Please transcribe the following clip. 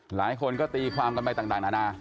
หลายคนก็ตีความกันไปต่างนานา